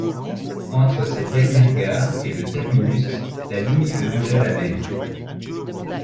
Entre cette dernière gare et le terminus la ligne longeait la mer.